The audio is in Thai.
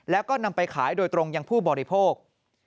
แล้วก็นำไปขายโดยตรงยังผู้บริโภค